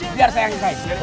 biar saya yang nyesel